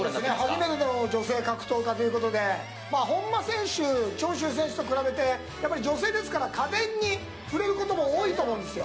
初めての女性格闘家ということで本間選手、長州選手と比べて女性ですから家電に触れることも多いと思うんです。